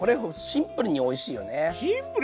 シンプルにおいしい。